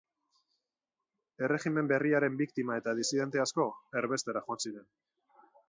Erregimen berriaren biktima eta disidente asko erbestera joan ziren.